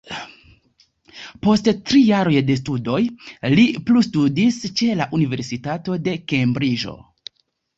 Post tri jaroj de studoj li plustudis ĉe la Universitato de Kembriĝo.